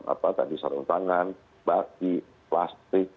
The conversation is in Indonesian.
apa tadi sarung tangan baki plastik